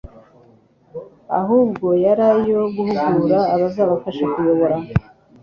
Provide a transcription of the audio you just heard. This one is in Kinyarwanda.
ahubwo yari ayo guhugura abazabafasha kuyobora